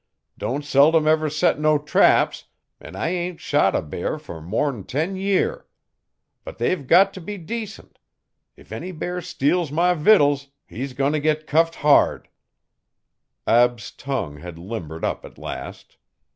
Don't seldom ever set no traps an' I ain't shot a bear fer mor'n 'n ten year. But they've got t' be decent. If any bear steals my vittles he's goin' t' git cuffed bard.' Ab's tongue had limbered up at last.